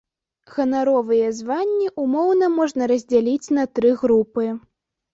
Ганаровыя званні ўмоўна можна раздзяліць на тры групы.